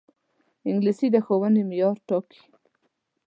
انګلیسي د ښوونې معیار ټاکي